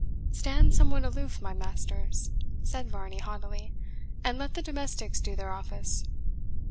"Stand somewhat aloof, my masters!" said Varney haughtily, "and let the domestics do their office."